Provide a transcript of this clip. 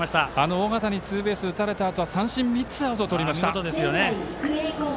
尾形にツーベース打たれたあとに三振３つでアウトをとりました。